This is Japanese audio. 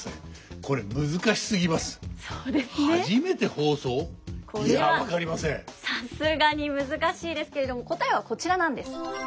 これはさすがに難しいですけれども答えはこちらなんです。